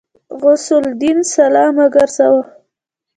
غوث الدين سلام وګرځاوه.